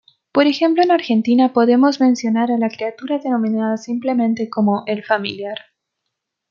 Por ejemplo en Argentina podemos mencionar a la criatura denominada simplemente como "El Familiar".